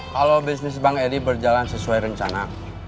kalau bisnis bang edi berjalan sesuai rencana